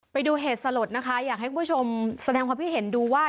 ไปดูเหตุสลดนะคะอยากให้คุณผู้ชมแสดงความคิดเห็นดูว่า